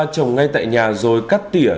trồng ngay tại nhà rồi cắt tỉa